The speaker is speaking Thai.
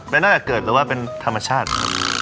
น่าจะเกิดหรือว่าเป็นธรรมชาติ